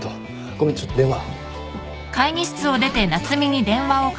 ごめんちょっと電話。